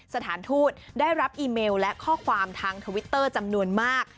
สถานทูตได้รับอีเมลและข้อความทางทวิตเตอร์จำนวนมาก